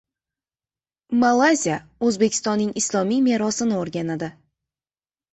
Malayziya O‘zbekistonning islomiy merosini o‘rganadi